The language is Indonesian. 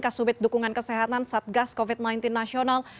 kasubit dukungan kesehatan satgas covid sembilan belas nasional